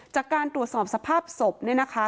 จากการตรวจสอบสภาพศพเนี่ยนะคะ